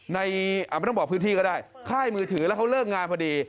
ไม่ต้องบอกพื้นที่ก็ได้ค่ายมือถือแล้วเขาเลิกงานพอดี